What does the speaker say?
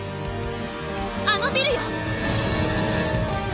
あのビルよ！